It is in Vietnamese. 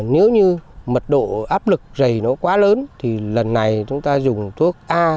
nếu như mật độ áp lực dày nó quá lớn thì lần này chúng ta dùng thuốc a